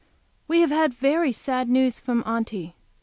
WE have very sad news from Aunty.